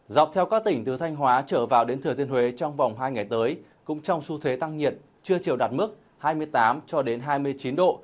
dọc theo các tỉnh từ thanh hóa trở vào đến thừa thiên huế trong vòng hai ngày tới cũng trong xu thế tăng nhiệt trưa chiều đạt mức hai mươi tám cho đến hai mươi chín độ